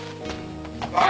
おい！